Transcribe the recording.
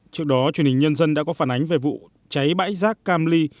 trước đó truyền hình nhân dân đã có phản ánh về vụ cháy bãi rác cam ly